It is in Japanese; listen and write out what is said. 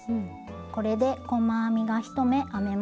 これで細編みが１目編めました。